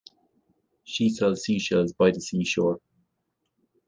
She sells sea shells by the sea shore.